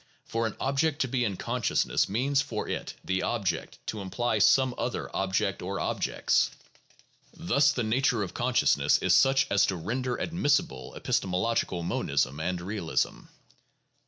For an object to be in consciousness means for it (the object) to imply some other object or objects. Thus the PSYCHOLOGY AND SCIENTIFIC METHODS 705 nature of consciousness is such as to render admissible epistemolog ical monism and realism.